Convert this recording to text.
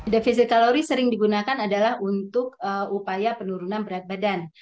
defisit kalori sering digunakan adalah untuk upaya penurunan berat badan